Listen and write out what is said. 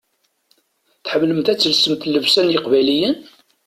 Tḥemmlemt ad telsemt llebsa n yeqbayliyen?